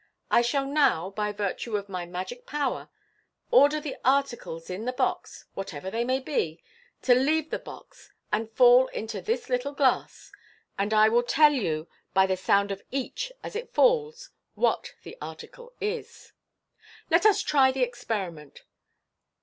I shall now, by virtue of my magic power, order the articles in the box, whatever they may be, to leave the box, and fall into this little glass, and I will tell you by the sound of each as it falls what the article is. Let us try the experiment.